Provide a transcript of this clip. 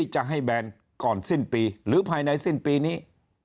จะให้แบนก่อนสิ้นปีหรือภายในสิ้นปีนี้